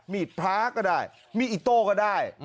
มีดพ้าก็ได้มีดโต้ก็ได้